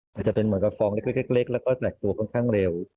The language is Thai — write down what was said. มันจะเป็นเหมือนกับฟองเล็กแล้วก็แต่งตัวค่อนข้างเร็ว